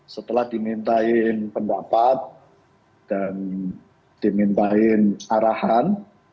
setelah dimintain pendapat dan dimintain arahan